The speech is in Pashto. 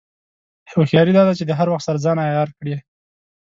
هوښیاري دا ده چې د هر وخت سره ځان عیار کړې.